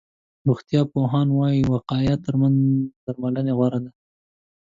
روغتيا پوهان وایي، وقایه تر درملنې غوره ده.